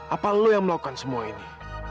apa lo yang melakukan semua ini